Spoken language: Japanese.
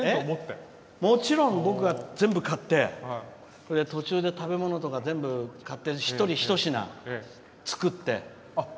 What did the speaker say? もちろん、僕が全部買って途中で食べ物とか全部、買って一人ひと品作って。